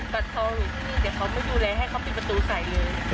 แต่เขาไม่ดูแลให้เขาปิดประตูใส่เลย